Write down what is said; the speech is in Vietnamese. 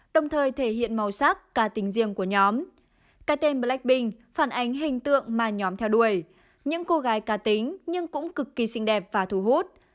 đồng thời thể hiện màu sắc cả tính riêng của nhóm cái tên blackpink phản ánh hình tượng mà nhóm theo đuổi những cô gái cá tính nhưng cũng cực kỳ xinh đẹp và thu hút